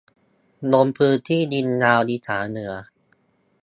ลงพื้นที่ยิงยาวอีสานเหนือ